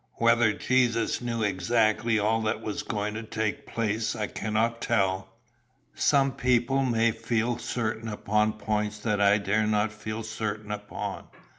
"Whether Jesus knew exactly all that was going to take place I cannot tell. Some people may feel certain upon points that I dare not feel certain upon.